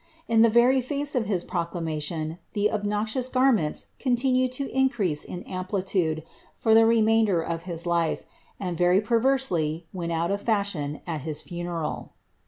In the very face of his proclamation, the obnoxious garments continued to increase in amplitude for the remainder of his life, and very perversely went out of fashion at his funeral.